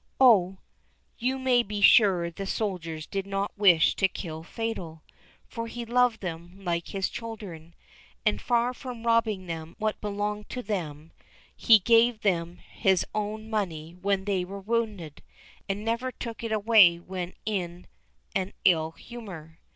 Oh, you may be sure the soldiers did not wish to kill Fatal, for he loved them like his children; and far from robbing them of what belonged to them, he gave them his own money when they were wounded, and never took it away again when in an ill humour.